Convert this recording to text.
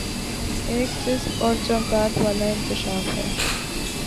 ایک چسپ اور چونکا د والا انکشاف ہے